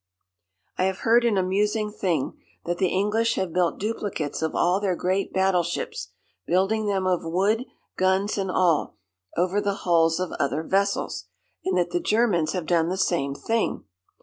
"I have heard an amusing thing: that the English have built duplicates of all their great battleships, building them of wood, guns and all, over the hulls of other vessels; and that the Germans have done the same thing!